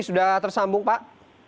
sudah tersambung pak